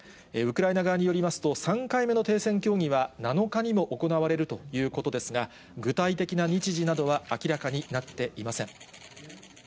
ウクライナ側によりますと、３回目の停戦協議は７日にも行われるということですが、具体的な日時などは明らかになっていません。